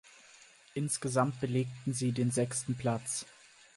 Insgesamt belegten sie den sechsten Platz.